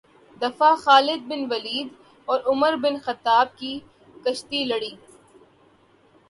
دفعہ Khalid bin Walid اور Umar bin Khattab نے کشتی لڑی